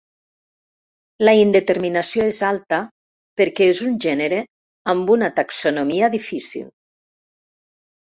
La indeterminació és alta perquè és un gènere amb una taxonomia difícil.